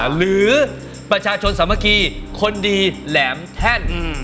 หรือประชาชนสามัคคีคนดีแหลมแท่น